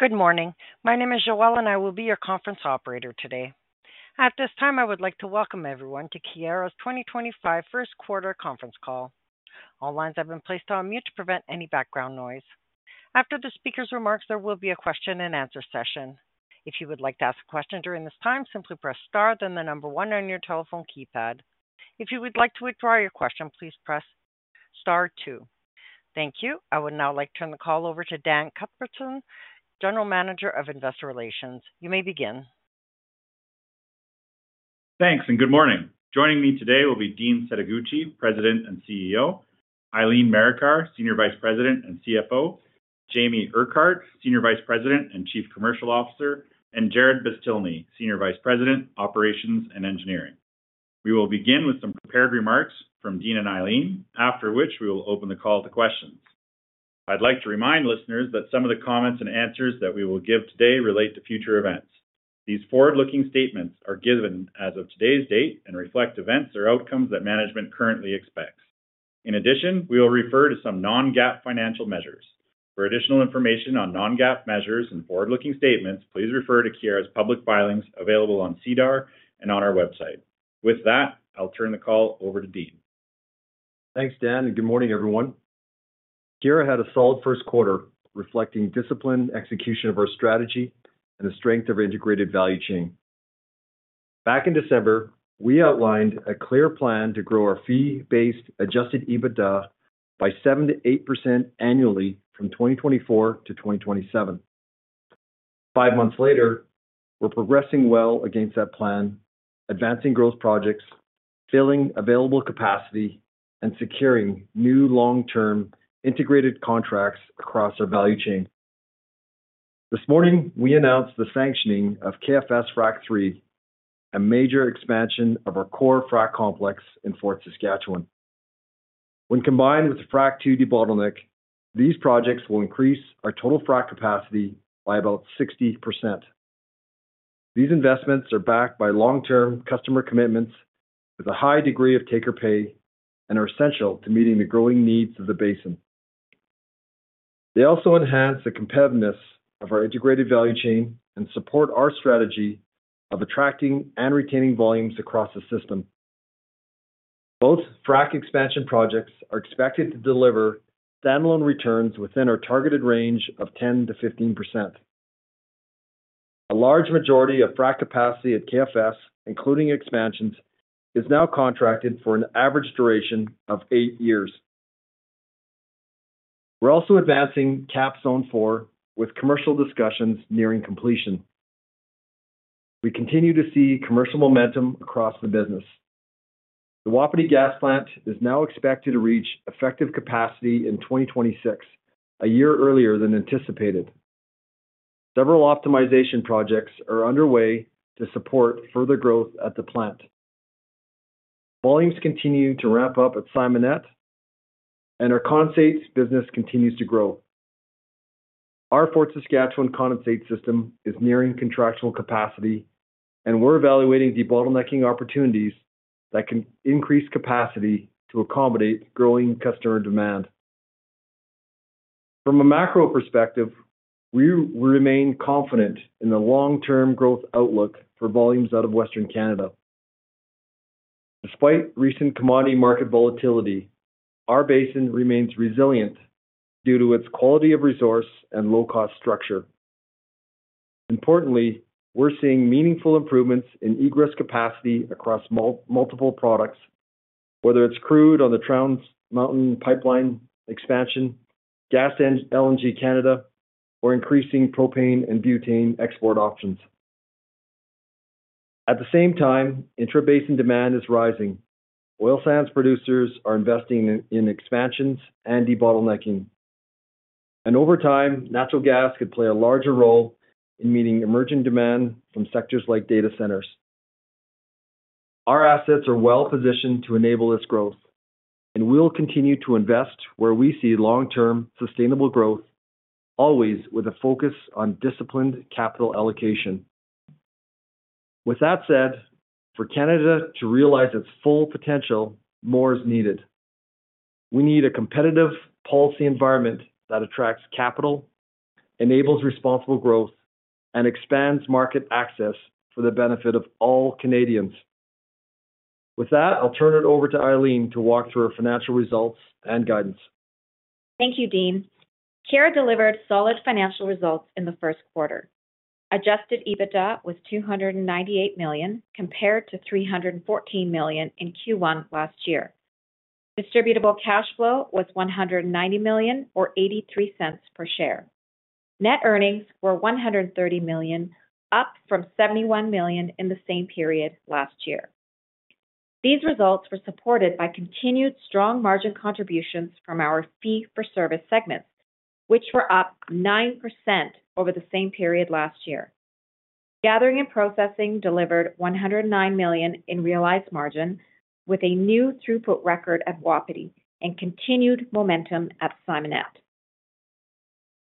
Good morning. My name is Joelle, and I will be your conference operator today. At this time, I would like to welcome everyone to Keyera's 2025 First Quarter Conference Call. All lines have been placed on mute to prevent any background noise. After the speaker's remarks, there will be a question-and-answer session. If you would like to ask a question during this time, simply press Star, then the number one on your telephone keypad. If you would like to withdraw your question, please press Star Two. Thank you. I would now like to turn the call over to Dan Cuthbertson, General Manager of Investor Relations. You may begin. Thanks, and good morning. Joining me today will be Dean Setoguchi, President and CEO; Eileen Marikar, Senior Vice President and CFO; Jamie Urquhart, Senior Vice President and Chief Commercial Officer; and Jarrod Beztilny, Senior Vice President, Operations and Engineering. We will begin with some prepared remarks from Dean and Eileen, after which we will open the call to questions. I'd like to remind listeners that some of the comments and answers that we will give today relate to future events. These forward-looking statements are given as of today's date and reflect events or outcomes that management currently expects. In addition, we will refer to some non-GAAP financial measures. For additional information on non-GAAP measures and forward-looking statements, please refer to Keyera's public filings available on SEDAR and on our website. With that, I'll turn the call over to Dean. Thanks, Dan, and good morning, everyone. Keyera had a solid first quarter reflecting discipline, execution of our strategy, and the strength of our integrated value chain. Back in December, we outlined a clear plan to grow our fee-based adjusted EBITDA by 7-8% annually from 2024 to 2027. Five months later, we're progressing well against that plan, advancing growth projects, filling available capacity, and securing new long-term integrated contracts across our value chain. This morning, we announced the sanctioning of KFS FRAC III, a major expansion of our core FRAC complex in Fort Saskatchewan. When combined with the FRAC II de-bottleneck, these projects will increase our total frac capacity by about 60%. These investments are backed by long-term customer commitments with a high degree of take-or-pay and are essential to meeting the growing needs of the basin. They also enhance the competitiveness of our integrated value chain and support our strategy of attracting and retaining volumes across the system. Both frac expansion projects are expected to deliver standalone returns within our targeted range of 10-15%. A large majority of frac capacity at KFS, including expansions, is now contracted for an average duration of eight years. We're also advancing CAP Zone Four with commercial discussions nearing completion. We continue to see commercial momentum across the business. The Wapiti Gas Plant is now expected to reach effective capacity in 2026, a year earlier than anticipated. Several optimization projects are underway to support further growth at the plant. Volumes continue to ramp up at Simonette, and our condensate business continues to grow. Our Fort Saskatchewan condensate system is nearing contractual capacity, and we're evaluating de-bottlenecking opportunities that can increase capacity to accommodate growing customer demand. From a macro perspective, we remain confident in the long-term growth outlook for volumes out of Western Canada. Despite recent commodity market volatility, our basin remains resilient due to its quality of resource and low-cost structure. Importantly, we're seeing meaningful improvements in egress capacity across multiple products, whether it's crude on the Trans Mountain pipeline expansion, gas and LNG Canada, or increasing propane and butane export options. At the same time, intra-basin demand is rising. Oil sands producers are investing in expansions and de-bottlenecking. Over time, natural gas could play a larger role in meeting emerging demand from sectors like data centers. Our assets are well-positioned to enable this growth, and we'll continue to invest where we see long-term sustainable growth, always with a focus on disciplined capital allocation. With that said, for Canada to realize its full potential, more is needed. We need a competitive policy environment that attracts capital, enables responsible growth, and expands market access for the benefit of all Canadians. With that, I'll turn it over to Eileen to walk through our financial results and guidance. Thank you, Dean. Keyera delivered solid financial results in the first quarter. Adjusted EBITDA was 298 million, compared to 314 million in Q1 last year. Distributable cash flow was 190 million, or 0.83 per share. Net earnings were 130 million, up from 71 million in the same period last year. These results were supported by continued strong margin contributions from our fee-for-service segments, which were up 9% over the same period last year. Gathering and Processing delivered 109 million in realized margin, with a new throughput record at Wapiti and continued momentum at Simonette.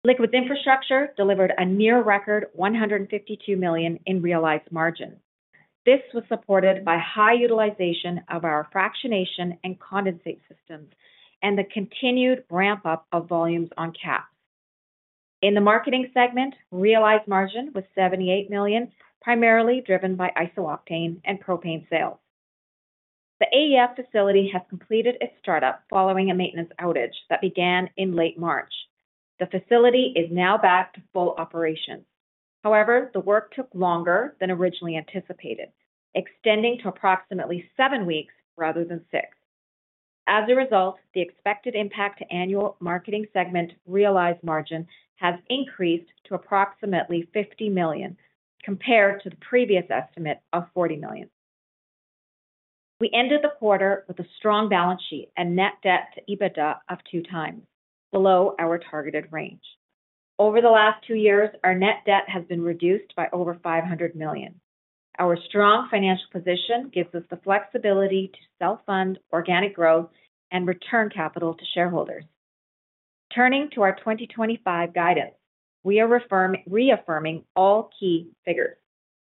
Liquids Infrastructure delivered a near record 152 million in realized margin. This was supported by high utilization of our fractionation and condensate systems and the continued ramp-up of volumes on CAPs. In the Marketing segment, realized margin was 78 million, primarily driven by iso-octane and propane sales. The AEF Facility has completed its startup following a maintenance outage that began in late March. The facility is now back to full operations. However, the work took longer than originally anticipated, extending to approximately seven weeks rather than six. As a result, the expected impact to annual Marketing segment realized margin has increased to approximately 50 million, compared to the previous estimate of 40 million. We ended the quarter with a strong balance sheet and net debt to EBITDA of two times, below our targeted range. Over the last two years, our net debt has been reduced by over 500 million. Our strong financial position gives us the flexibility to self-fund organic growth and return capital to shareholders. Turning to our 2025 guidance, we are reaffirming all key figures.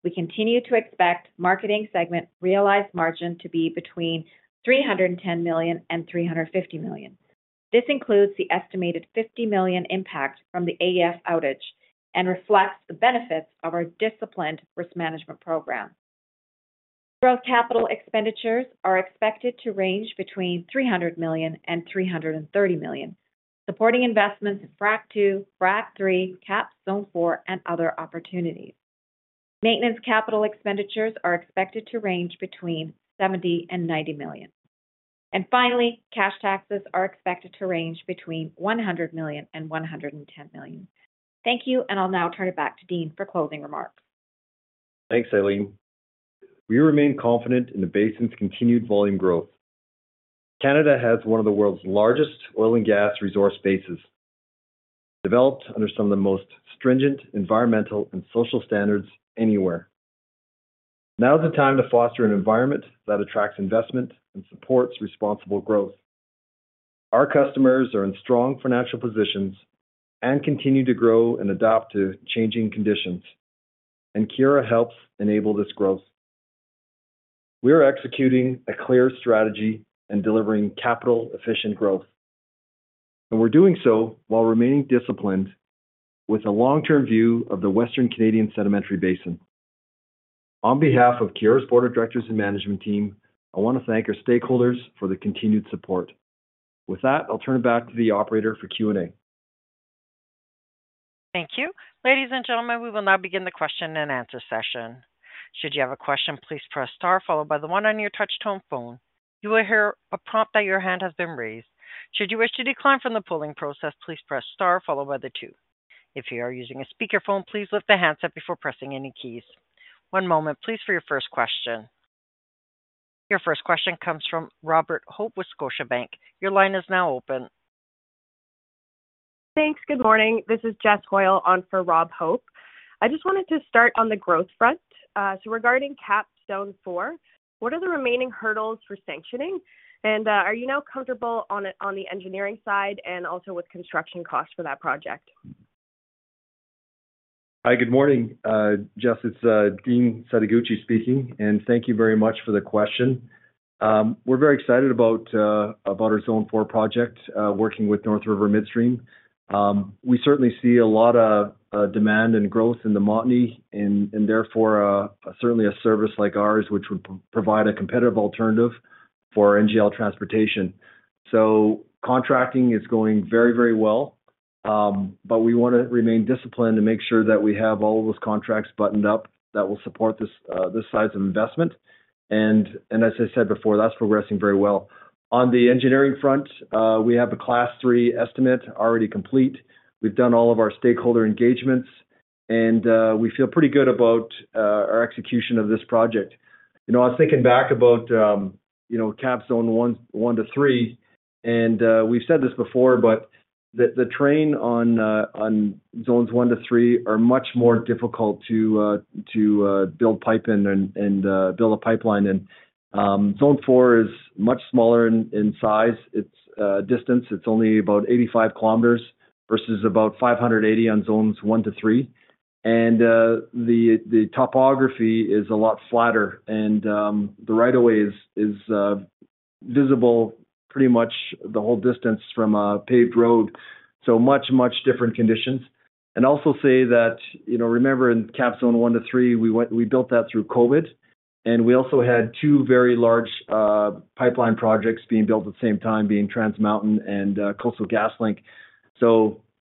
We continue to expect Marketing segment realized margin to be between 310 million and 350 million. This includes th"e estimated 50 million impact from the AEF outage and reflects the benefits of our disciplined risk management program. Growth capital expenditures are expected to range between 300 million and 330 million, supporting investments in FRAC II, FRAC III, CAP Zone Four, and other opportunities. Maintenance capital expenditures are expected to range between 70 million and 90 million. Finally, cash taxes are expected to range between 100 million and 110 million. Thank you, and I'll now turn it back to Dean for closing remarks. Thanks, Eileen. We remain confident in the basin's continued volume growth. Canada has one of the world's largest oil and gas resource bases, developed under some of the most stringent environmental and social standards anywhere. Now is the time to foster an environment that attracts investment and supports responsible growth. Our customers are in strong financial positions and continue to grow and adapt to changing conditions, and Keyera helps enable this growth. We are executing a clear strategy and delivering capital-efficient growth, and we're doing so while remaining disciplined with a long-term view of the Western Canadian Sedimentary Basin. On behalf of Keyera's Board of Directors and Management Team, I want to thank our stakeholders for the continued support. With that, I'll turn it back to the operator for Q&A. Thank you. Ladies and gentlemen, we will now begin the question and answer session. Should you have a question, please press Star, followed by the one on your touch-tone phone. You will hear a prompt that your hand has been raised. Should you wish to decline from the polling process, please press Star, followed by the two. If you are using a speakerphone, please lift the handset before pressing any keys. One moment, please, for your first question. Your first question comes from Robert Hope with Scotiabank. Your line is now open. Thanks. Good morning. This is Jess Hoyle on for Rob Hope. I just wanted to start on the growth front. Regarding CAP Zone Four, what are the remaining hurdles for sanctioning, and are you now comfortable on the engineering side and also with construction costs for that project? Hi, good morning. Jess, it's Dean Setoguchi speaking, and thank you very much for the question. We're very excited about our Zone Four project, working with NorthRiver Midstream. We certainly see a lot of demand and growth in the Montney, and therefore, certainly a service like ours, which would provide a competitive alternative for NGL transportation. Contracting is going very, very well, but we want to remain disciplined to make sure that we have all of those contracts buttoned up that will support this size of investment. As I said before, that's progressing very well. On the engineering front, we have a Class Three estimate already complete. We've done all of our stakeholder engagements, and we feel pretty good about our execution of this project. I was thinking back about CAP Zone One to Three, and we've said this before, but the terrain on Zones One to Three are much more difficult to build pipe in and build a pipeline in. Zone Four is much smaller in size. Its distance, it's only about 85 km versus about 580 on Zones One to Three. The topography is a lot flatter, and the right-of-way is visible pretty much the whole distance from a paved road. Much, much different conditions. I'll also say that, remember, in CAP Zone One to Three, we built that through COVID, and we also had two very large pipeline projects being built at the same time, being Trans Mountain and Coastal GasLink.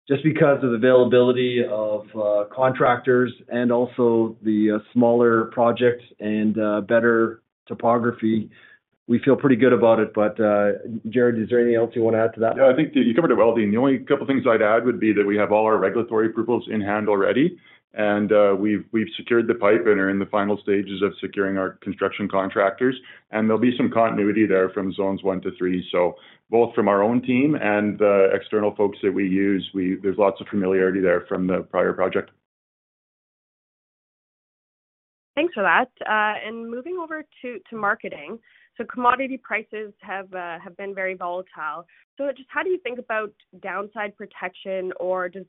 Just because of the availability of contractors and also the smaller projects and better topography, we feel pretty good about it. Jarrod, is there anything else you want to add to that? Yeah, I think you covered it well, Dean. The only couple of things I'd add would be that we have all our regulatory approvals in hand already, and we've secured the pipe and are in the final stages of securing our construction contractors. There will be some continuity there from Zones One to Three. Both from our own team and the external folks that we use, there's lots of familiarity there from the prior project. Thanks for that. Moving over to marketing, commodity prices have been very volatile. Just how do you think about downside protection, or does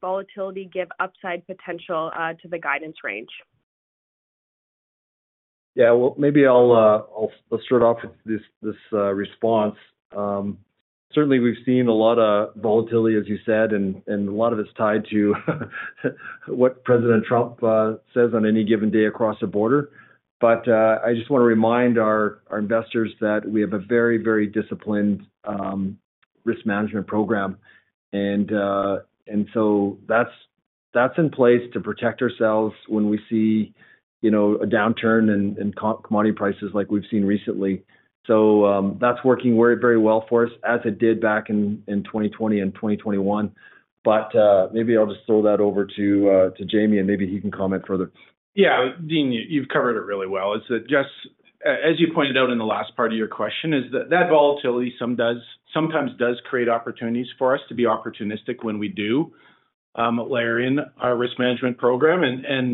volatility give upside potential to the guidance range? Yeah, maybe I'll start off with this response. Certainly, we've seen a lot of volatility, as you said, and a lot of it's tied to what President Trump says on any given day across the border. I just want to remind our investors that we have a very, very disciplined risk management program. That is in place to protect ourselves when we see a downturn in commodity prices like we've seen recently. That is working very well for us, as it did back in 2020 and 2021. Maybe I'll just throw that over to Jamie, and maybe he can comment further. Yeah, Dean, you've covered it really well. As you pointed out in the last part of your question, that volatility sometimes does create opportunities for us to be opportunistic when we do layer in our risk management program.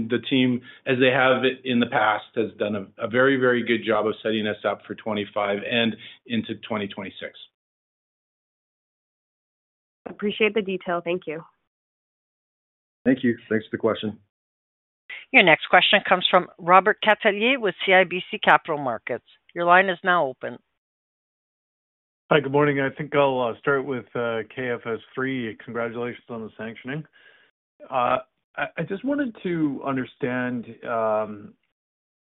The team, as they have in the past, has done a very, very good job of setting us up for 2025 and into 2026. Appreciate the detail. Thank you. Thank you. Thanks for the question. Your next question comes from Robert Catellier with CIBC Capital Markets. Your line is now open. Hi, good morning. I think I'll start with KFS III. Congratulations on the sanctioning. I just wanted to understand the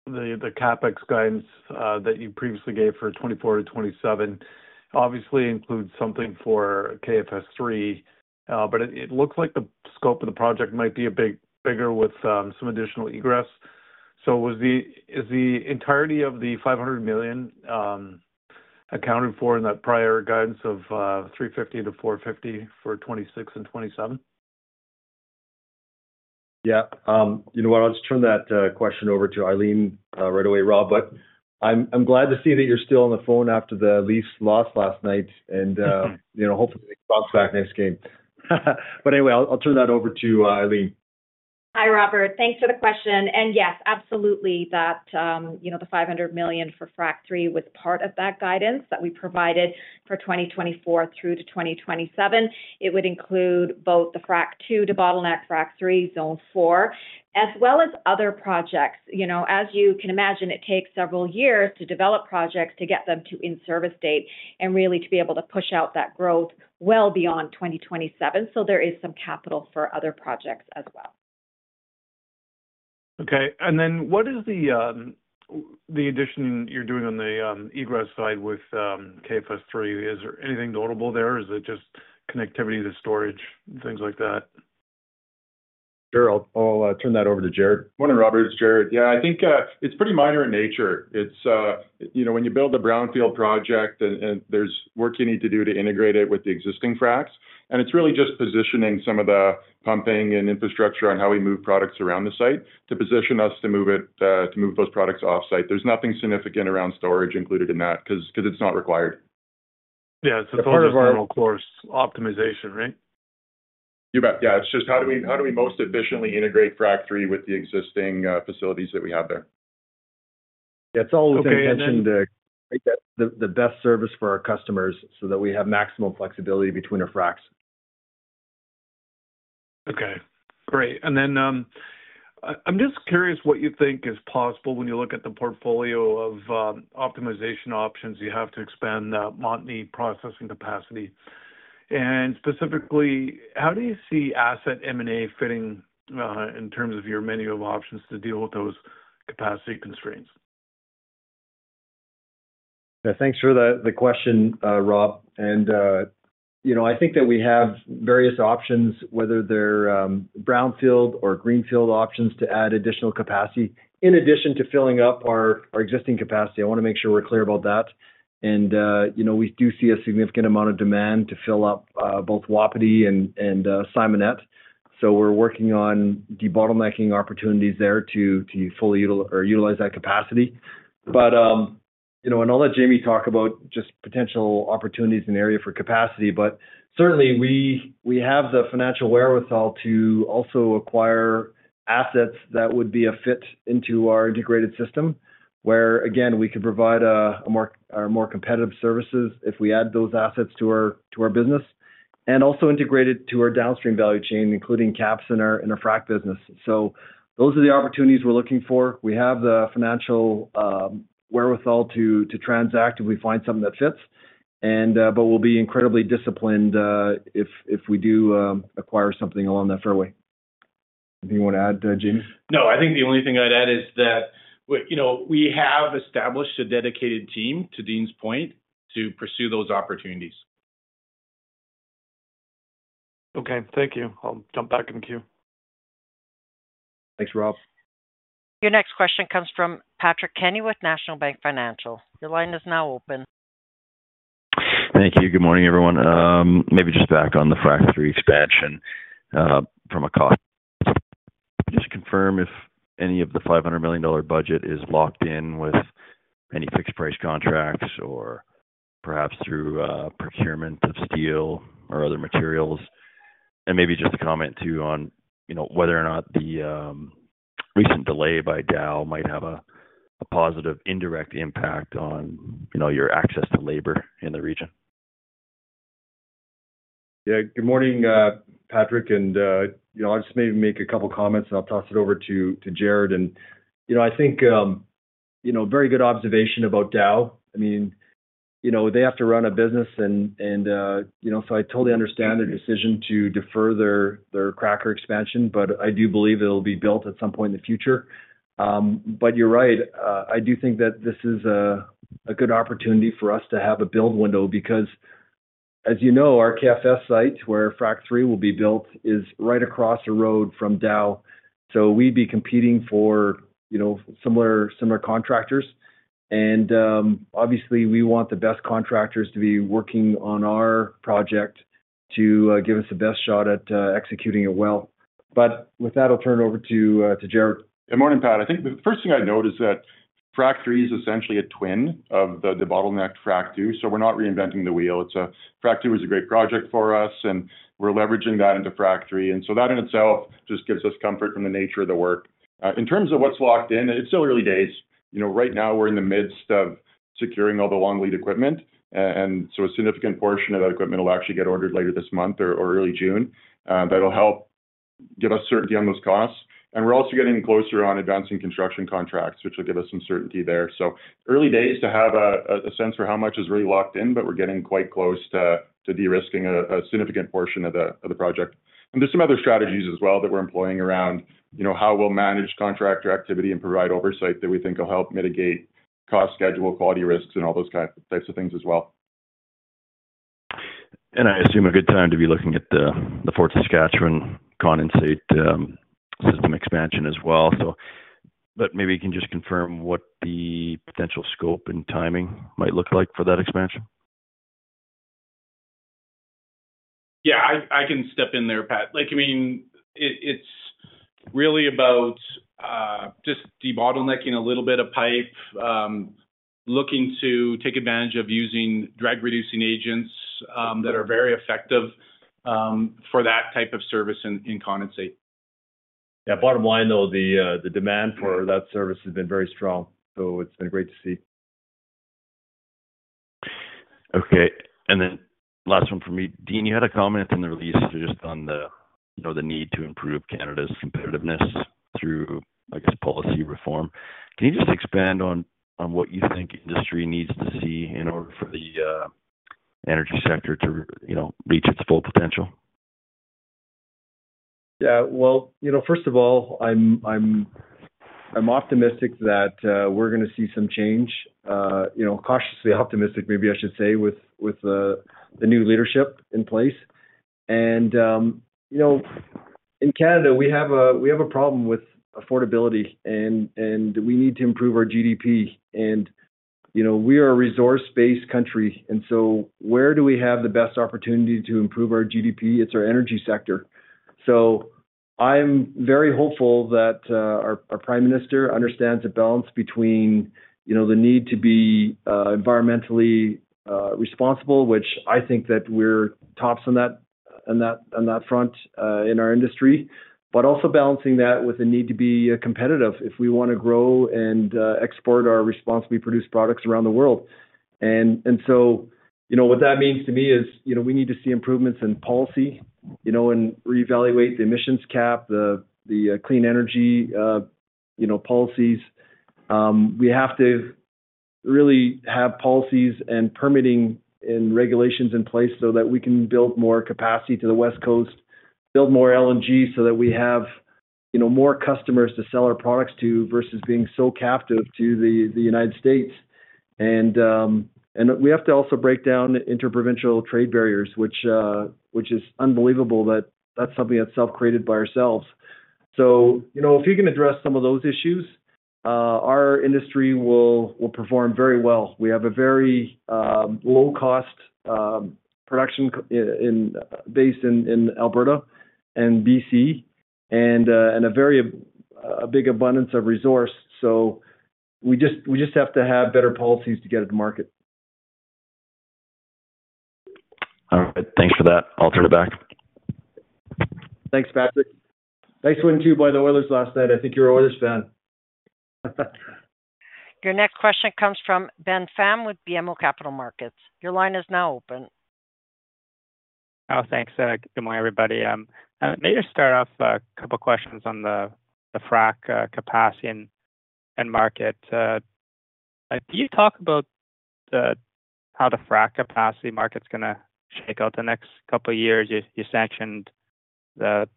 CapEx guidance that you previously gave for 2024 to 2027. Obviously, it includes something for KFS III, but it looks like the scope of the project might be a bit bigger with some additional egress. Is the entirety of the 500 million accounted for in that prior guidance of 350-450 million for 2026 and 2027? Yeah. You know what? I'll just turn that question over to Eileen right away, Rob. I'm glad to see that you're still on the phone after the Leafs loss last night, and hopefully, it bounces back next game. Anyway, I'll turn that over to Eileen. Hi, Robert. Thanks for the question. Yes, absolutely, the 500 million for FRAC III was part of that guidance that we provided for 2024 through to 2027. It would include both the FRAC II de-bottleneck, FRAC III, CAP Zone Four, as well as other projects. As you can imagine, it takes several years to develop projects to get them to in-service date and really to be able to push out that growth well beyond 2027. There is some capital for other projects as well. Okay. What is the addition you are doing on the egress side with KFS III? Is there anything notable there? Is it just connectivity to storage, things like that? Sure. I'll turn that over to Jarrod. Morning, Robert. It's Jarrod. Yeah, I think it's pretty minor in nature. When you build a brownfield project, there's work you need to do to integrate it with the existing FRACs. It's really just positioning some of the pumping and infrastructure on how we move products around the site to position us to move those products off-site. There's nothing significant around storage included in that because it's not required. Yeah. It's a part of our... It's environmental cost optimization, right? You bet. Yeah. It's just how do we most efficiently integrate FRAC III with the existing facilities that we have there? Yeah. It's always intention to create the best service for our customers so that we have maximum flexibility between our FRACs. Okay. Great. I'm just curious what you think is possible when you look at the portfolio of optimization options you have to expand that Montney processing capacity. Specifically, how do you see asset M&A fitting in terms of your menu of options to deal with those capacity constraints? Yeah. Thanks for the question, Rob. I think that we have various options, whether they're brownfield or greenfield options to add additional capacity in addition to filling up our existing capacity. I want to make sure we're clear about that. We do see a significant amount of demand to fill up both Wapiti and Simonette. We are working on debottlenecking opportunities there to fully utilize that capacity. I know that Jamie talked about just potential opportunities in the area for capacity, but certainly, we have the financial wherewithal to also acquire assets that would be a fit into our integrated system where, again, we could provide our more competitive services if we add those assets to our business and also integrate it to our downstream value chain, including caps in our FRAC business. Those are the opportunities we're looking for. We have the financial wherewithal to transact if we find something that fits, but we'll be incredibly disciplined if we do acquire something along that fairway. Anything you want to add, Jamie? No. I think the only thing I'd add is that we have established a dedicated team, to Dean's point, to pursue those opportunities. Okay. Thank you. I'll jump back in the queue. Thanks, Rob. Your next question comes from Patrick Kenney with National Bank Financial. Your line is now open. Thank you. Good morning, everyone. Maybe just back on the FRAC III expansion from a cost. Just to confirm if any of the 500 million dollar budget is locked in with any fixed-price contracts or perhaps through procurement of steel or other materials. Maybe just a comment, too, on whether or not the recent delay by Dow might have a positive indirect impact on your access to labor in the region. Yeah. Good morning, Patrick. I'll just maybe make a couple of comments, and I'll toss it over to Jarrod. I think very good observation about Dow. I mean, they have to run a business, and I totally understand their decision to defer their cracker expansion, but I do believe it'll be built at some point in the future. You're right. I do think that this is a good opportunity for us to have a build window because, as you know, our KFS site where FRAC III will be built is right across the road from Dow. We'd be competing for similar contractors. Obviously, we want the best contractors to be working on our project to give us the best shot at executing it well. With that, I'll turn it over to Jarrod. Good morning, Pat. I think the first thing I'd note is that FRAC III is essentially a twin of the bottleneck FRAC II. We're not reinventing the wheel. FRAC II is a great project for us, and we're leveraging that into FRAC III. That in itself just gives us comfort from the nature of the work. In terms of what's locked in, it's still early days. Right now, we're in the midst of securing all the long lead equipment. A significant portion of that equipment will actually get ordered later this month or early June. That will help give us certainty on those costs. We're also getting closer on advancing construction contracts, which will give us some certainty there. Early days to have a sense for how much is really locked in, but we're getting quite close to de-risking a significant portion of the project. There are some other strategies as well that we're employing around how we'll manage contractor activity and provide oversight that we think will help mitigate cost, schedule, quality risks, and all those types of things as well. I assume a good time to be looking at the Fort Saskatchewan condensate system expansion as well. Maybe you can just confirm what the potential scope and timing might look like for that expansion. Yeah. I can step in there, Pat. I mean, it's really about just debottlenecking a little bit of pipe, looking to take advantage of using drag-reducing agents that are very effective for that type of service in condensate. Yeah. Bottom line, though, the demand for that service has been very strong. It has been great to see. Okay. And then last one for me. Dean, you had a comment in the release just on the need to improve Canada's competitiveness through, I guess, policy reform. Can you just expand on what you think industry needs to see in order for the energy sector to reach its full potential? Yeah. First of all, I'm optimistic that we're going to see some change, cautiously optimistic, maybe I should say, with the new leadership in place. In Canada, we have a problem with affordability, and we need to improve our GDP. We are a resource-based country. Where do we have the best opportunity to improve our GDP? It's our energy sector. I'm very hopeful that our Prime Minister understands a balance between the need to be environmentally responsible, which I think that we're tops on that front in our industry, but also balancing that with the need to be competitive if we want to grow and export our responsibly produced products around the world. What that means to me is we need to see improvements in policy and reevaluate the emissions cap, the clean energy policies. We have to really have policies and permitting and regulations in place so that we can build more capacity to the West Coast, build more LNG so that we have more customers to sell our products to versus being so captive to the United States. We have to also break down interprovincial trade barriers, which is unbelievable that that's something that's self-created by ourselves. If you can address some of those issues, our industry will perform very well. We have a very low-cost production base in Alberta and British Columbia and a very big abundance of resource. We just have to have better policies to get it to market. All right. Thanks for that. I'll turn it back. Thanks, Patrick. Nice win too by the Oilers last night. I think you're an Oilers fan. Your next question comes from Ben Pham with BMO Capital Markets. Your line is now open. Oh, thanks. Good morning, everybody. Maybe I'll start off a couple of questions on the frac capacity and market. Can you talk about how the frac capacity market's going to shake out the next couple of years? You sanctioned the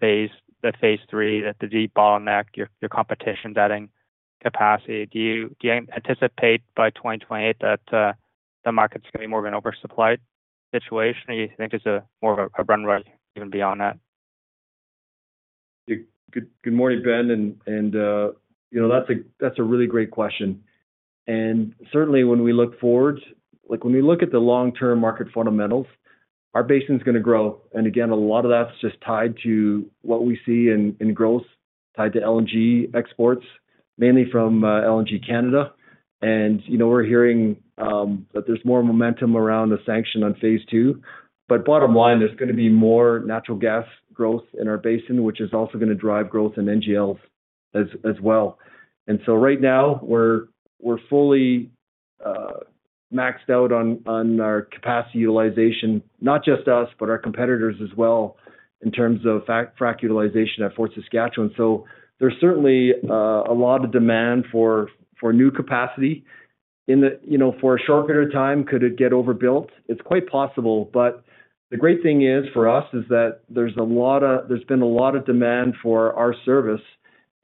phase III, the debottleneck, your competition setting capacity. Do you anticipate by 2028 that the market's going to be more of an oversupplied situation? Do you think there's more of a runway even beyond that? Good morning, Ben. That's a really great question. Certainly, when we look forward, when we look at the long-term market fundamentals, our basin's going to grow. Again, a lot of that's just tied to what we see in growth, tied to LNG exports, mainly from LNG Canada. We're hearing that there's more momentum around the sanction on phase II. Bottom line, there's going to be more natural gas growth in our basin, which is also going to drive growth in NGLs as well. Right now, we're fully maxed out on our capacity utilization, not just us, but our competitors as well in terms of frac utilization at Fort Saskatchewan. There's certainly a lot of demand for new capacity. For a short period of time, could it get overbuilt? It's quite possible. The great thing for us is that there's been a lot of demand for our service.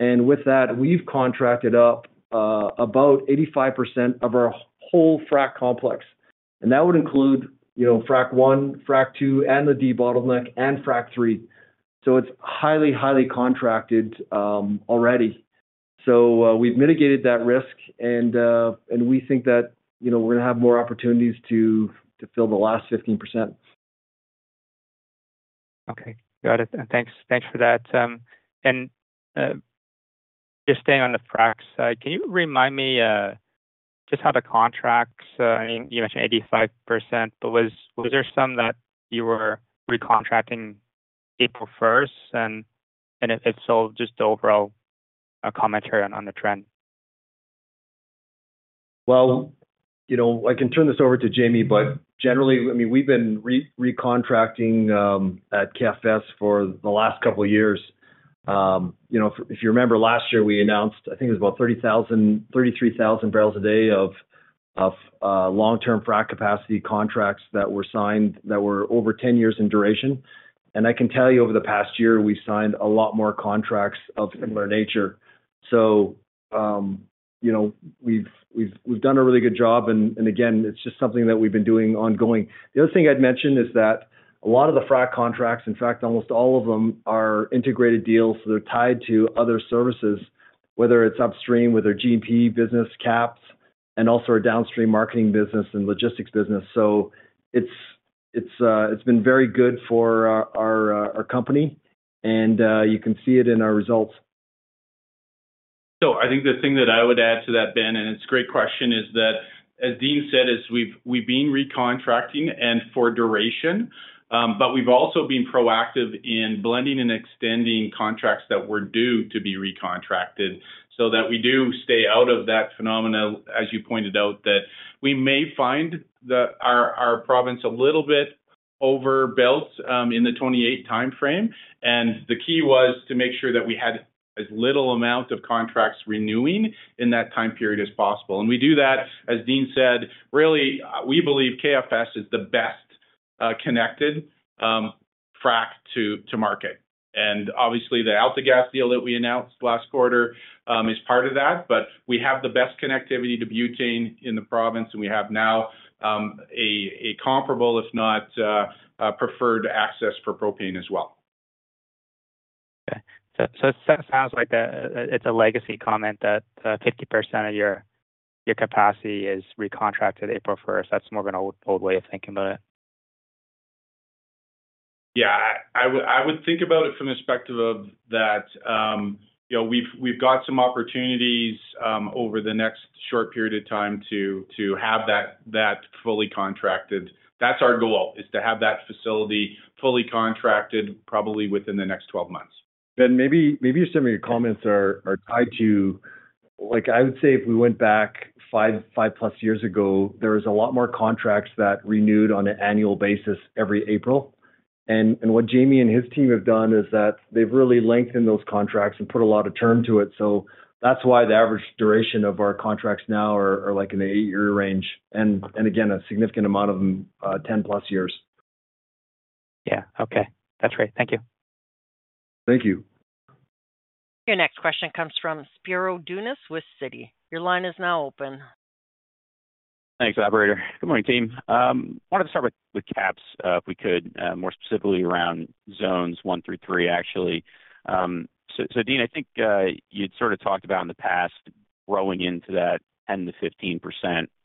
With that, we've contracted up about 85% of our whole FRAC complex. That would include FRAC I, FRAC II, and the debottleneck, and FRAC III. It is highly, highly contracted already. We have mitigated that risk, and we think that we're going to have more opportunities to fill the last 15%. Okay. Got it. Thanks for that. Just staying on the FRAC side, can you remind me just how the contracts—I mean, you mentioned 85%—but was there some that you were recontracting April 1st? If so, just overall commentary on the trend. I can turn this over to Jamie, but generally, I mean, we've been recontracting at KFS for the last couple of years. If you remember, last year, we announced, I think it was about 30,000-33,000 barrels a day of long-term FRAC capacity contracts that were signed that were over 10 years in duration. I can tell you over the past year, we've signed a lot more contracts of similar nature. We've done a really good job. Again, it's just something that we've been doing ongoing. The other thing I'd mention is that a lot of the FRAC contracts, in fact, almost all of them are integrated deals. They're tied to other services, whether it's upstream with our G&P business caps and also our downstream marketing business and logistics business. It's been very good for our company. You can see it in our results. I think the thing that I would add to that, Ben, and it's a great question, is that, as Dean said, we've been recontracting for duration, but we've also been proactive in blending and extending contracts that were due to be recontracted so that we do stay out of that phenomena, as you pointed out, that we may find our province a little bit overbuilt in the 2028 timeframe. The key was to make sure that we had as little amount of contracts renewing in that time period as possible. We do that, as Dean said, really, we believe KFS is the best connected FRAC to market. Obviously, the AltaGas deal that we announced last quarter is part of that, but we have the best connectivity to butane in the province, and we have now a comparable, if not preferred, access for propane as well. Okay. It sounds like it's a legacy comment that 50% of your capacity is recontracted April 1. That's more of an old way of thinking about it. Yeah. I would think about it from the perspective of that we've got some opportunities over the next short period of time to have that fully contracted. That's our goal, is to have that facility fully contracted probably within the next 12 months. Ben, maybe your summary comments are tied to, I would say, if we went back five-plus years ago, there was a lot more contracts that renewed on an annual basis every April. What Jamie and his team have done is that they've really lengthened those contracts and put a lot of term to it. That is why the average duration of our contracts now are in the eight-year range. Again, a significant amount of them, 10-plus years. Yeah. Okay. That's great. Thank you. Thank you. Your next question comes from Spiro Dounis with Citi. Your line is now open. Thanks, Urquhart. Good morning, team. I wanted to start with CAP, if we could, more specifically around zones one through three, actually. Dean, I think you'd sort of talked about in the past growing into that 10-15%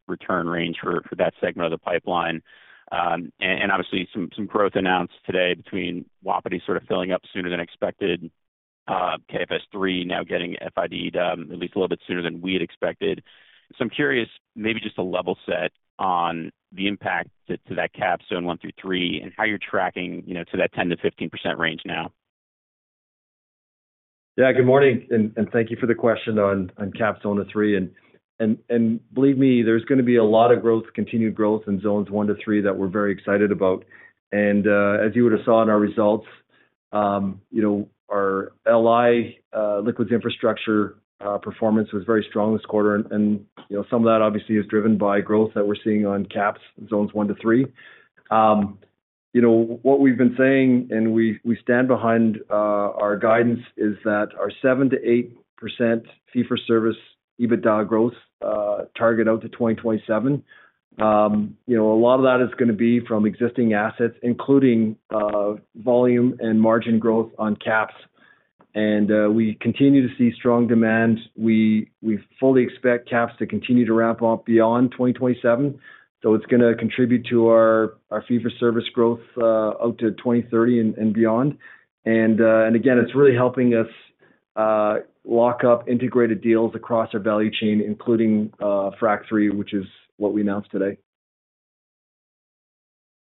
return range for that segment of the pipeline. Obviously, some growth announced today between Wapiti sort of filling up sooner than expected, KFS FRAC III now getting FID at least a little bit sooner than we had expected. I'm curious, maybe just a level set on the impact to that CAP zone one through three and how you're tracking to that 10-15% range now. Yeah. Good morning. Thank you for the question on CAP Zone Three. Believe me, there is going to be a lot of growth, continued growth in Zones One to Three that we are very excited about. As you would have seen in our results, our Liquids Infrastructure performance was very strong this quarter. Some of that obviously is driven by growth that we are seeing on CAPs, Zones One to Three. What we have been saying, and we stand behind our guidance, is that our 7%-8% fee-for-service EBITDA growth target out to 2027, a lot of that is going to be from existing assets, including volume and margin growth on CAPs. We continue to see strong demand. We fully expect CAPs to continue to ramp up beyond 2027. It is going to contribute to our fee-for-service growth out to 2030 and beyond. It is really helping us lock up integrated deals across our value chain, including FRAC III, which is what we announced today.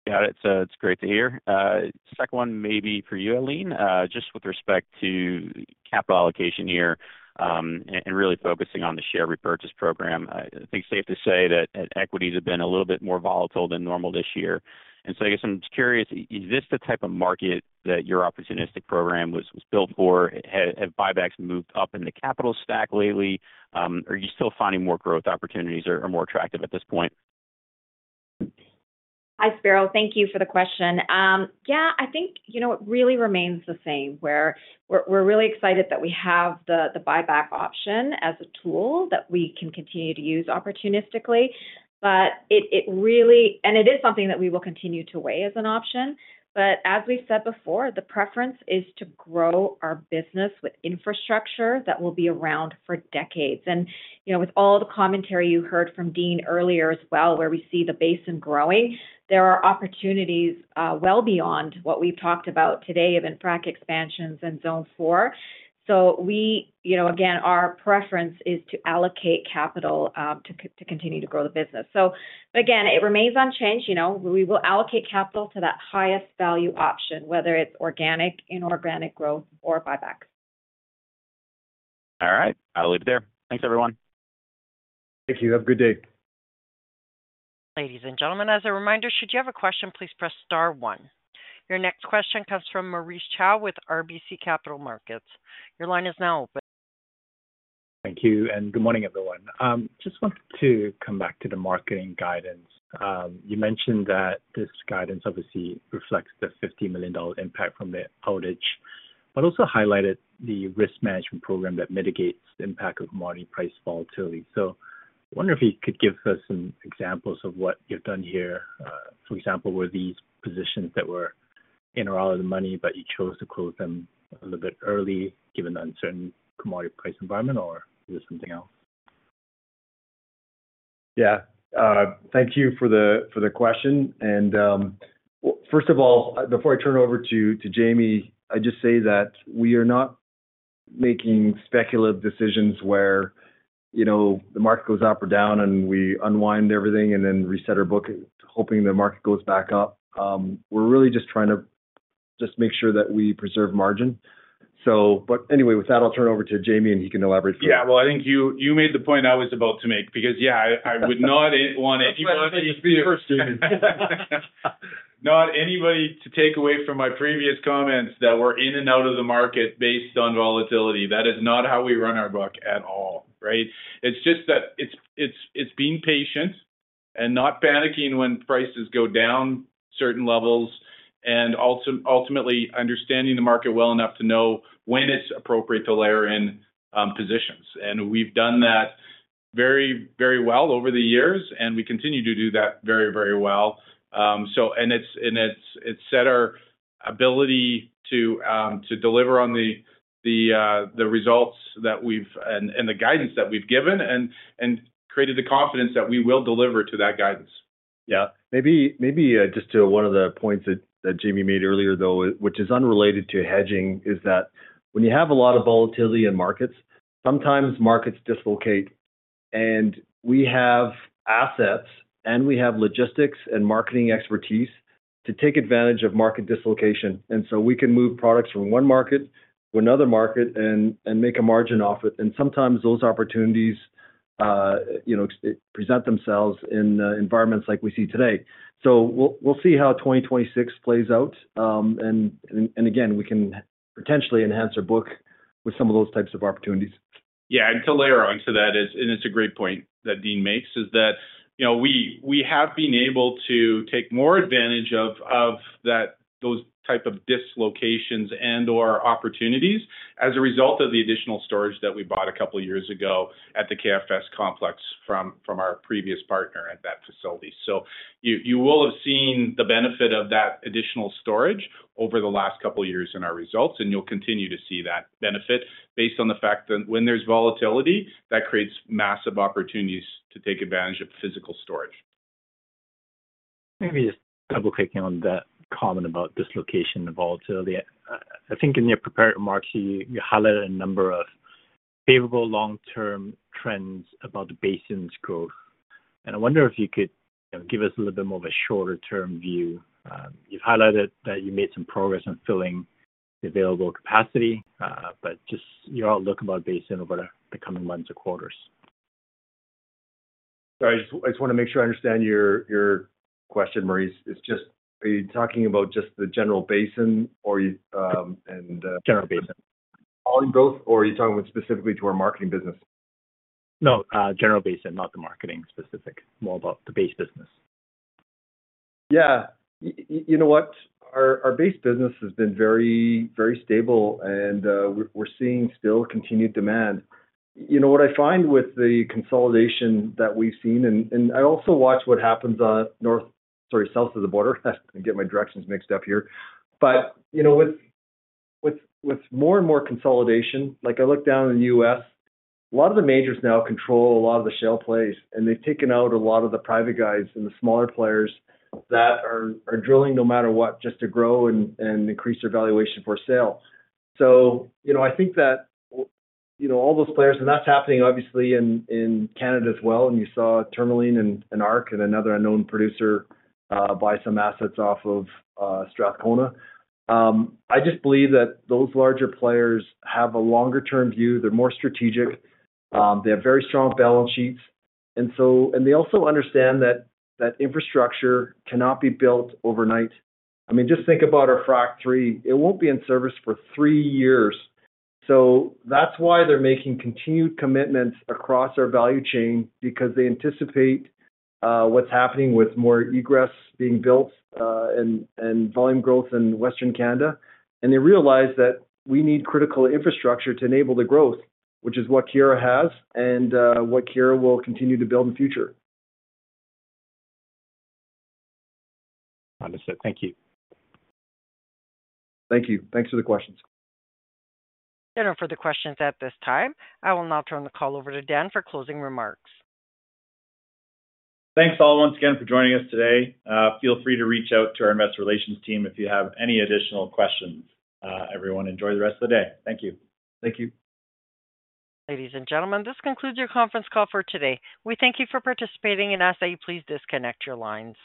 Got it. So it is great to hear. Second one, maybe for you, Eileen, just with respect to capital allocation here and really focusing on the share repurchase program. I think it is safe to say that equities have been a little bit more volatile than normal this year. I guess I am just curious, is this the type of market that your opportunistic program was built for? Have buybacks moved up in the capital stack lately? Are you still finding more growth opportunities or more attractive at this point? Hi, Spiro. Thank you for the question. Yeah, I think it really remains the same, where we're really excited that we have the buyback option as a tool that we can continue to use opportunistically. It is something that we will continue to weigh as an option. As we've said before, the preference is to grow our business with infrastructure that will be around for decades. With all the commentary you heard from Dean earlier as well, where we see the basin growing, there are opportunities well beyond what we've talked about today of infract expansions and zone four. Again, our preference is to allocate capital to continue to grow the business. It remains unchanged. We will allocate capital to that highest value option, whether it's organic, inorganic growth, or buybacks. All right. I'll leave it there. Thanks, everyone. Thank you. Have a good day. Ladies and gentlemen, as a reminder, should you have a question, please press star one. Your next question comes from Maurice Choy with RBC Capital Markets. Your line is now open. Thank you. Good morning, everyone. Just wanted to come back to the marketing guidance. You mentioned that this guidance obviously reflects the 50 million dollar impact from the outage, but also highlighted the risk management program that mitigates the impact of commodity price volatility. I wonder if you could give us some examples of what you've done here. For example, were these positions that were in or out of the money, but you chose to close them a little bit early given the uncertain commodity price environment, or is it something else? Yeah. Thank you for the question. First of all, before I turn it over to Jamie, I just say that we are not making speculative decisions where the market goes up or down, and we unwind everything and then reset our book hoping the market goes back up. We are really just trying to just make sure that we preserve margin. Anyway, with that, I will turn it over to Jamie, and he can elaborate further. Yeah. I think you made the point I was about to make because, yeah, I would not want anybody to take away from my previous comments that we're in and out of the market based on volatility. That is not how we run our book at all, right? It's just that it's being patient and not panicking when prices go down certain levels, and ultimately understanding the market well enough to know when it's appropriate to layer in positions. We've done that very, very well over the years, and we continue to do that very, very well. It has set our ability to deliver on the results that we've and the guidance that we've given and created the confidence that we will deliver to that guidance. Yeah. Maybe just to one of the points that Jamie made earlier, though, which is unrelated to hedging, is that when you have a lot of volatility in markets, sometimes markets dislocate. We have assets, and we have logistics and marketing expertise to take advantage of market dislocation. We can move products from one market to another market and make a margin off it. Sometimes those opportunities present themselves in environments like we see today. We will see how 2026 plays out. Again, we can potentially enhance our book with some of those types of opportunities. Yeah. To layer onto that, and it is a great point that Dean makes, we have been able to take more advantage of those types of dislocations and/or opportunities as a result of the additional storage that we bought a couple of years ago at the KFS complex from our previous partner at that facility. You will have seen the benefit of that additional storage over the last couple of years in our results, and you will continue to see that benefit based on the fact that when there is volatility, that creates massive opportunities to take advantage of physical storage. Maybe just double-clicking on that comment about dislocation and volatility. I think in your prepared remarks, you highlighted a number of favorable long-term trends about the basin's growth. I wonder if you could give us a little bit more of a shorter-term view. You have highlighted that you made some progress in filling the available capacity, but just your outlook about the basin over the coming months or quarters. Sorry. I just want to make sure I understand your question, Maurice. Are you talking about just the general basin or? General basin. All and both, or are you talking specifically to our marketing business? No. General basin, not the marketing specific, more about the base business. Yeah. You know what? Our base business has been very stable, and we're seeing still continued demand. What I find with the consolidation that we've seen, and I also watch what happens on, sorry, south of the border. I get my directions mixed up here. With more and more consolidation, like I look down in the U.S., a lot of the majors now control a lot of the shale plays, and they've taken out a lot of the private guys and the smaller players that are drilling no matter what just to grow and increase their valuation for sale. I think that all those players, and that's happening obviously in Canada as well, and you saw Tourmaline and ARC and another unknown producer buy some assets off of Strathcona. I just believe that those larger players have a longer-term view. They're more strategic. They have very strong balance sheets. They also understand that infrastructure cannot be built overnight. I mean, just think about our FRAC III. It will not be in service for three years. That is why they are making continued commitments across our value chain because they anticipate what is happening with more egress being built and volume growth in Western Canada. They realize that we need critical infrastructure to enable the growth, which is what Keyera has and what Keyera will continue to build in the future. Understood. Thank you. Thank you. Thanks for the questions. There are no further questions at this time. I will now turn the call over to Dan for closing remarks. Thanks all once again for joining us today. Feel free to reach out to our investor relations team if you have any additional questions, everyone. Enjoy the rest of the day. Thank you. Thank you. Ladies and gentlemen, this concludes your conference call for today. We thank you for participating and ask that you please disconnect your lines.